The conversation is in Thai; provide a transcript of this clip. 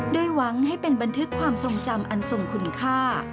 โดยหวังให้เป็นบันทึกความทรงจำอันทรงคุณค่า